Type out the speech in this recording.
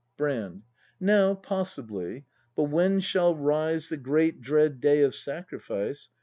Brand. Now, possibly: but when shall rise The great dread day of sacrifice.